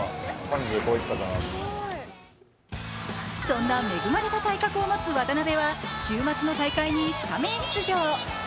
そんな恵まれた体格をもつ渡邉は週末の大会にスタメン出場。